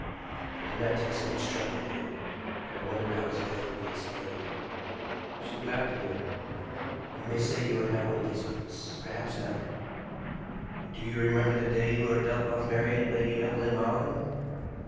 I did not take so much trouble with him, and I wondered how his death would be explained." She laughed again. "You may say you are not one of these brutes perhaps not. But do you remember the day Lord Delmouth married Lady Evelyn Malling?